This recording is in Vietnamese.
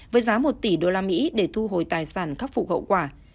với giá một tỷ usd để thu hồi tài sản khắc phục hậu quả